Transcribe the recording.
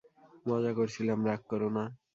মজা করছিলাম, রাগ করোনা।